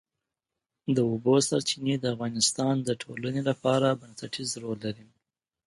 د اوبو سرچینې د افغانستان د ټولنې لپاره بنسټيز رول لري.